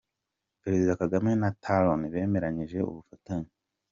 Perezida Kagame na Talon bemeranyije ubufatanye.